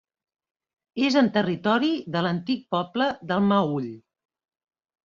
És en territori de l'antic poble del Meüll.